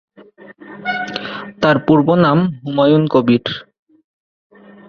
তাঁর পূর্ব নাম হুমায়ুন কবির।